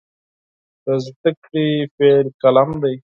د زده کړې پیل قلم دی.